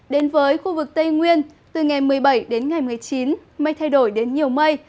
đến với khu vực tây nguyên từ ngày một mươi bảy đến ngày một mươi chín mây thay đổi đến nhiều mây